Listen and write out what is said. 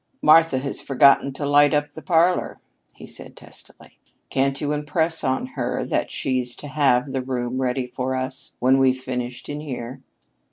"Martha has forgotten to light up the parlor," he said testily. "Can't you impress on her that she's to have the room ready for us when we've finished inhere?"